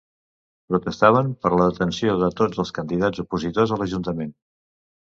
Protestaven per la detenció de tots els candidats opositors a l’ajuntament.